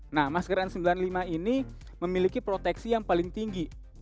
nah masker n sembilan puluh lima ini memiliki proteksi yang paling tinggi